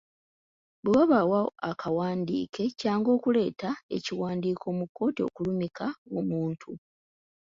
Bwe wabaawo akawandiike, kyangu okuleeta ekiwandiiko mu kkoti okulumika omuntu.